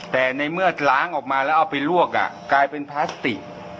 แต่ในเมื่อล้างออกมาแล้วเอาไปลวกกลายเป็นพลาสติก